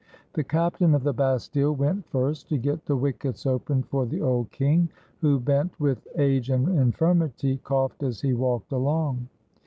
The captain of the Bastile went first, to get the wickets opened for the old king, who, bent with age and infirmity, coughed as he walked along.